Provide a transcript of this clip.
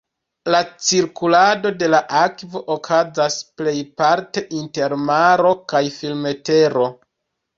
La cirkulado de la akvo okazas plejparte inter maro kaj firmtero.